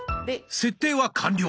設定は完了。